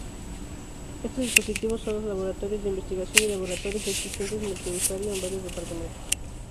Estos dispositivos son los laboratorios de investigación y laboratorios existentes multiusuario en varios departamentos.